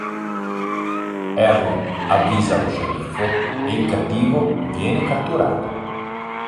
Harry avvisa lo sceriffo e il cattivo viene catturato.